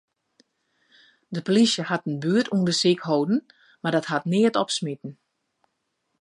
De polysje hat in buertûndersyk hâlden, mar dat hat neat opsmiten.